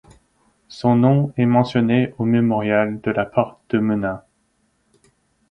Son nom est mentionné au mémorial de la Porte de Menin.